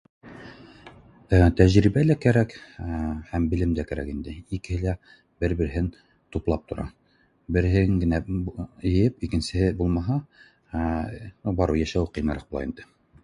Тәжрибә лә кәрәк һәм белем дә кәрәк инде, икеһе лә бер-береһен туплап тора, береһен генә йыйып икенсеһе булмаһа, барыбер йәшәүе ҡыйыныраҡ була инде